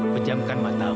baik abah akan membantumu